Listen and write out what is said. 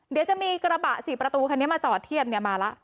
เดี๋ยวจะมีกระบะ๔ประตูคันนี้มาจอดเทียบมาแล้ว